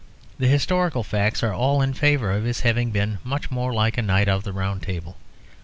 The historical facts are all in favour of his having been much more like a knight of the Round Table.